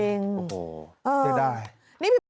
โอ้โหเดี๋ยวได้